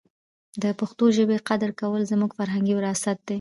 د پښتو ژبې قدر کول زموږ فرهنګي وراثت دی.